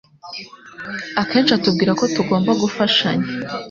Akenshi atubwira ko tugomba gufashanya